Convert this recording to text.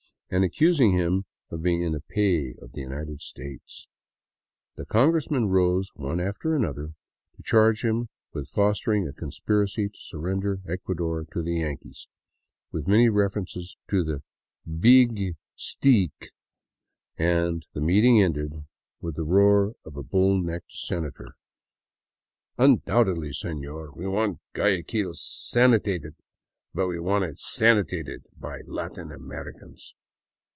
" and accusing him of being in the pay of the United States. The congressmen rose one after another to charge him with fostering a conspiracy to surrender Ecuador to the Yankees, with many references to the " beegee steekee," and the meeting ended with the roar of a bull necked senator: 163 VAGABONDING DOWN THE ANDES " Undoubtedly, Senor, we want Guayaquil sanitated ; but we want it sanitated by Latin Americans."